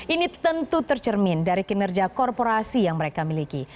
ini tentu tercermin dari kinerja korporasi yang mereka miliki